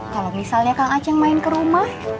kalo misalnya kang achen main ke rumah